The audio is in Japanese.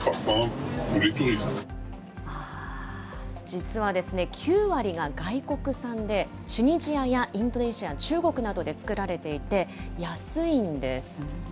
実は９割が外国産で、チュニジアやインドネシア、中国などで作られていて、安いんです。